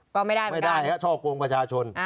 ก็ไม่ได้เหมือนกันไม่ได้ครับช่อกงประชาชน